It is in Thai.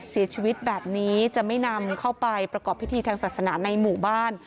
เสียชีวิตแบบนี้จะไม่นำเข้าไปประกอบพิธีทางศาสนาในหมู่บ้าน